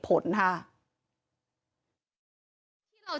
เป็น๑๐ครั้งแล้ว